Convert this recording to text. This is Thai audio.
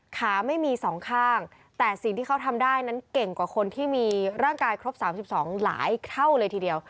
ขาไม่มีสองข้างแต่สิ่งที่เขาทำได้นั้นเก่งกว่าคนที่มีร่างกายครบ๓๒หลายเท่าเลยทีเดียว